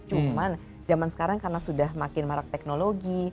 cuman zaman sekarang karena sudah makin marak teknologi